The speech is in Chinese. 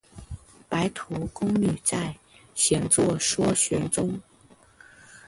白头宫女在，闲坐说玄宗。